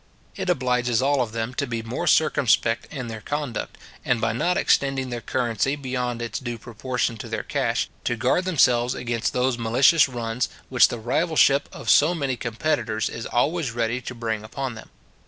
It obliges all of them to be more circumspect in their conduct, and, by not extending their currency beyond its due proportion to their cash, to guard themselves against those malicious runs, which the rivalship of so many competitors is always ready to bring upon them.